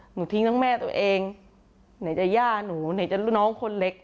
หนูทิ้งทั้งแม่ตัวเองไหนจะย่าหนูไหนจะลูกน้องคนเล็ก